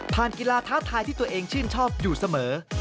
กีฬาท้าทายที่ตัวเองชื่นชอบอยู่เสมอ